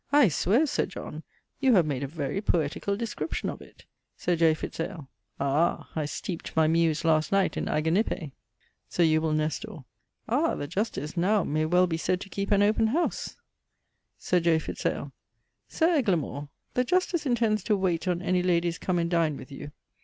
_ I swear, Sir John, you have made a very poetical description of it. Sir J. Fitz ale. Ah! I steepd my muse last night in Aganippe. Sir Eubule Nestor. Ah! the Justice now may well be said to keepe an open howse. Sir J. Fitz ale. Sir Eglamour, the Justice intends to wayte on any ladies come and dine with you.